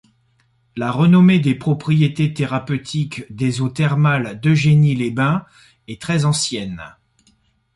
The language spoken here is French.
La renommée des propriétés thérapeutiques des eaux thermales d’Eugénie-les-Bains est très ancienne.